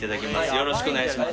よろしくお願いします